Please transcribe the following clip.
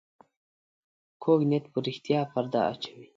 کوږ نیت پر رښتیا پرده واچوي